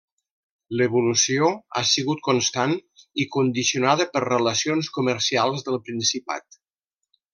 L'evolució ha sigut constant i condicionada per relacions comercials del Principat.